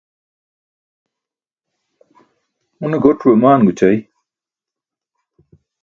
une goc̣ue maan goćai